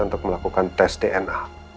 untuk melakukan tes dna